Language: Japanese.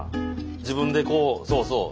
自分でこうそうそう。